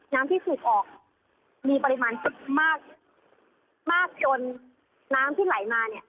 น้ำที่สูบออกมีปริมาณมากมากจนน้ำที่ไหลมาเนี่ย